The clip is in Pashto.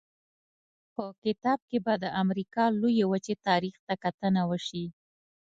په کتاب کې به د امریکا لویې وچې تاریخ ته کتنه وشي.